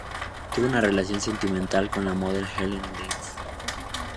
Tuvo una relación sentimental con la modelo Helen Lindes.